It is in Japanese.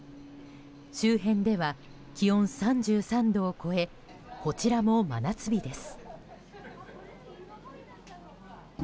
周辺では気温３３度を超えこちらも真夏日です。